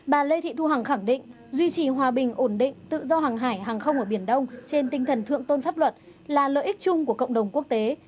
bà lê thị thu hằng khẳng định duy trì hòa bình ổn định tự do hàng hải hàng không ở biển đông trên tinh thần thượng tôn pháp luật là lợi ích chung của cộng đồng quốc tế